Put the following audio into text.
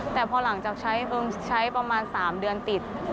แต่พอหลังจากใช้เอิ้งใช้พังมา๓เดือนติด